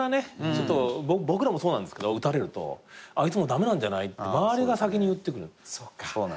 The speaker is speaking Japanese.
ちょっと僕らもそうなんですけど打たれると「あいつもう駄目なんじゃない？」って周りが先に言ってくる。